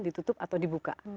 ditutup atau dibuka